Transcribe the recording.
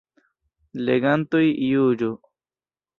Legantoj juĝu.